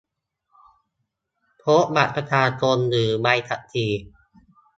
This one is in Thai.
พกบัตรประชาชน หรือ ใบขับขี่